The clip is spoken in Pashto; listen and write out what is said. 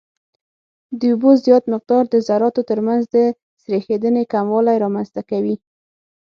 د اوبو زیات مقدار د ذراتو ترمنځ د سریښېدنې کموالی رامنځته کوي